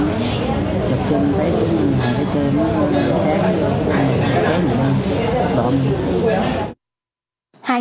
hành cái xe nó không có khác